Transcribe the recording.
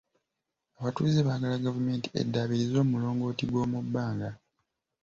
Abatuuze baagala gavumenti eddaabirize omulongooti gw'omu bbanga.